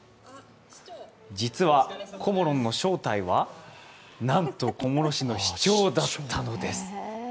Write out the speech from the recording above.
実はこもろんの正体はなんと小諸市の市長だったのです。